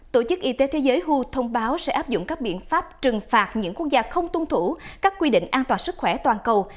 tổ chức y tế thế giới hu thông báo sẽ áp dụng các biện pháp trừng phạt những quốc gia không tuân thủ các quy định an toàn sức khỏe toàn cầu